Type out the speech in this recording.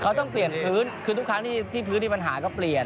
เขาต้องเปลี่ยนพื้นคือทุกครั้งที่พื้นมีปัญหาก็เปลี่ยน